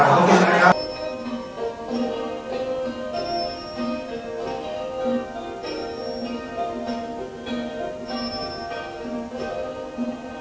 อืม